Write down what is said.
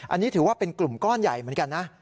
อันนี้ถือว่าเป็นกลุ่มก้อนใหญ่เหมือนกันนะ